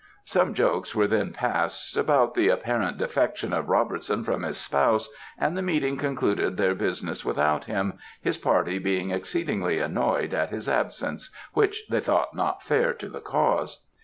"Some jokes were then passed about the apparent defection of Robertson from his spouse, and the meeting concluded their business without him, his party being exceedingly annoyed at his absence, which they thought not fair to the cause.